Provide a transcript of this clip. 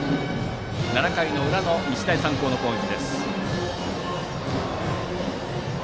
７回の裏の日大三高の攻撃。